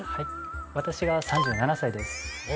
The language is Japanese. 私が３７歳です。